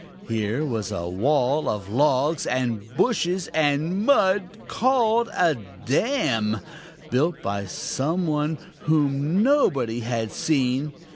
Here was a wall of logs and bushes and mud called a dam, built by some one whom nobody had seen.